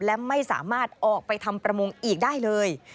และไม่สามารถออกไปทำประมงอีกได้เลย